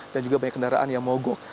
juga banyak kendaraan yang mogok